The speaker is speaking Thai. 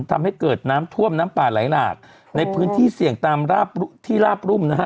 ทำให้เกิดน้ำท่วมน้ำป่าไหลหลากในพื้นที่เสี่ยงตามที่ราบรุ่มนะฮะ